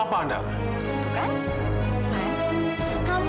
kamilah itu tidak bisa diserahkan